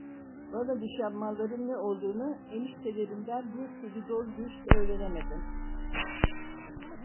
Bana düşen malların ne olduğunu eniştelerimden bir türlü doğru dürüst öğrenemedim.